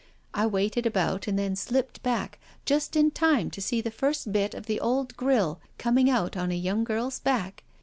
I waited about and then slipped back just in time to see the first bit of the old grille coming out on a young girl's back.